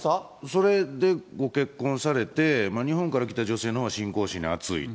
それでご結婚されて、日本から来た女性の信仰心があつい。